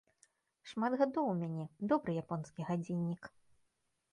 Шмат гадоў у мяне, добры японскі гадзіннік.